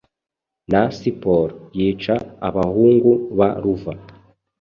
na siporo yica abahungu ba Luva.